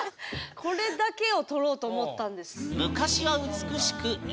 これだけを取ろうと思ったんです。